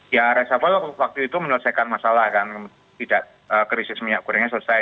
ya reshuffle waktu itu menyelesaikan masalah kan tidak krisis minyak gorengnya selesai